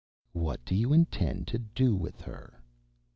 "What do you intend to do with her?"